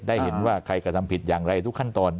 ได้เห็นว่าใครกระทำผิดอย่างไรทุกขั้นตอน